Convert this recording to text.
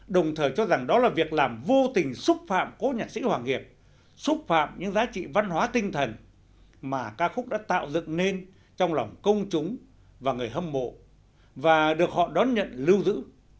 đồng thời cho rằng đó là việc làm vô tình xúc phạm cố nhạc sĩ hoàng hiệp xúc phạm những giá trị văn hóa tinh thần mà ca khúc đã tạo dựng nên trong lòng công chúng và người hâm mộ và được họ đón nhận lưu giữ